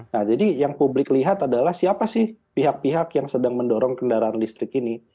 nah jadi yang publik lihat adalah siapa sih pihak pihak yang sedang mendorong kendaraan listrik ini